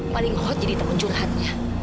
paling hot jadi tahun curhatnya